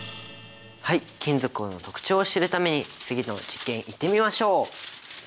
はい金属の特徴を知るために次の実験いってみましょう！